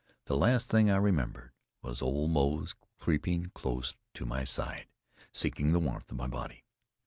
The last thing I remembered was old Moze creeping close to my side, seeking the warmth of my body.